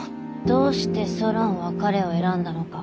どうしてソロンは彼を選んだのか。